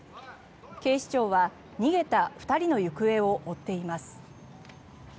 警視庁は逃げた２人の行方を追っています。